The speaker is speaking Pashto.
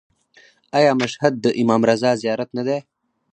آیا مشهد د امام رضا زیارت نه دی؟